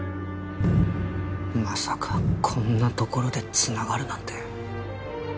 まさかこんなところで繋がるなんて。